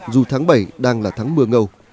dù tháng bảy đang là tháng mưa ngâu